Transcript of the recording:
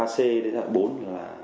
từ ba c đến giai đoạn bốn là